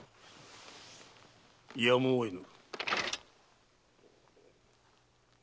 やむを得ぬ。